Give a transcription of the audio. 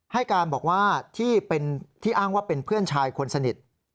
ให้การบอกว่าที่อ้างว่าเป็นเพื่อนชายคนสนิท